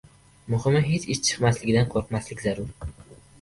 Muhimi hech ish chiqmasligidan qo‘rqmaslik zarur.